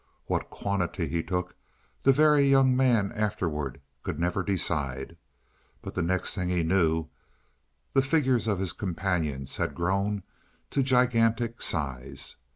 What quantity he took, the Very Young Man afterward could never decide. But the next thing he knew, the figures of his companions had grown to gigantic size.